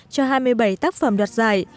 cho hai mươi bảy tác phẩm đoạt giải